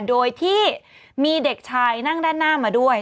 โดยที่มีเด็กชายนั่งด้านหน้ามาด้วย